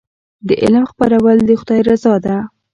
د علم خپرول د خدای رضا ده.